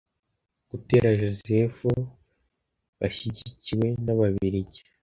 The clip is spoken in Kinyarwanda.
Gitera Joseph bashyigikiwe n’ababiligi